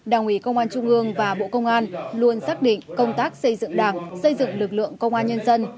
đảng ủy công an trung ương và bộ công an luôn xác định công tác xây dựng đảng xây dựng lực lượng công an nhân dân